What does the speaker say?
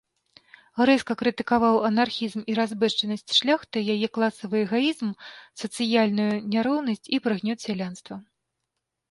Рэзка крытыкаваў анархізм і разбэшчанасць шляхты, яе класавы эгаізм, сацыяльную няроўнасць і прыгнёт сялянства.